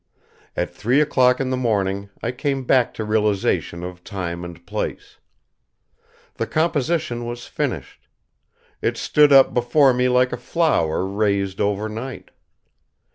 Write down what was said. At three o'clock in the morning I came back to realization of time and place. The composition was finished; it stood up before me like a flower raised over night.